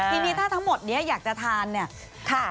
ทีนี้ถ้าทั้งหมดนี้อยากจะทานเนี่ย